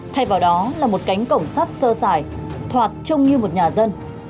thay vào đó là một cánh cổng sắt sơ xài thoạt trông như một nhà dân